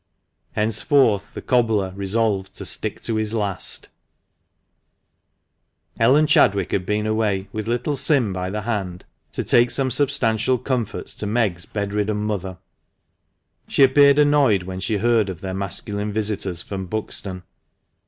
'* Henceforth the "cobbler" resolved to "stick to his last." THE MANCHESTER MAN. 345 Ellen Chadwick had been away, with little Sim by the hand, to take some substantial comforts to Meg's bedridden mother. She appeared annoyed when she heard of their masculine visitors from Buxton.